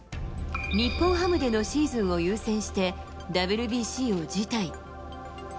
日本ハムでのシーズンを優先して、ＷＢＣを辞退。